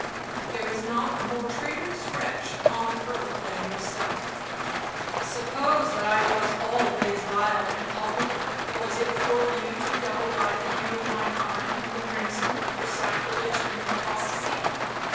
—there is not a more traitorous wretch on earth than yourself. Suppose that I was all that is vile and culpable, was it for you to double dye the hue of my crime in the crimson of your sacrilege and apostacy?